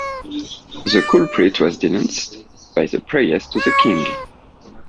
The culprit was denounced by the priest to the king.